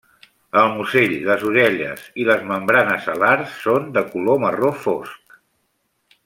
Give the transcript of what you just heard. El musell, les orelles i les membranes alars són de color marró fosc.